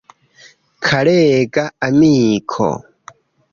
Karega amiko!